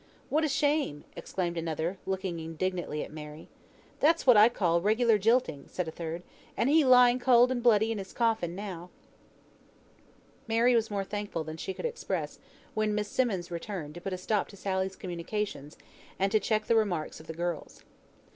"What a shame!" exclaimed another, looking indignantly at Mary. "That's what I call regular jilting," said a third. "And he lying cold and bloody in his coffin now!" Mary was more thankful than she could express, when Miss Simmonds returned, to put a stop to Sally's communications, and to check the remarks of the girls.